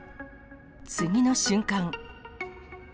次の瞬間。